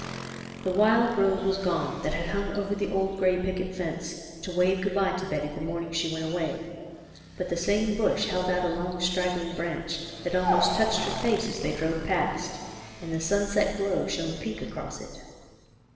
The wild rose was gone, that had hung over the BACK TO THE CUCKOO'S NEST. 35 old gray picket fence to wave good bye to Betty the morning she went away, but the same bush held out a long straggling branch that almost touched her face as they drove past, and the sunset glow shone pink across it.